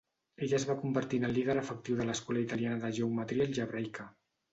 Ell es va convertir en el líder efectiu de l'escola italiana de geometria algebraica.